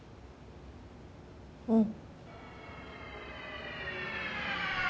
うん。